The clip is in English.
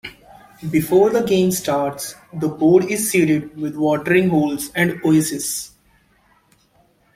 Before the game starts, the board is seeded with watering holes and oases.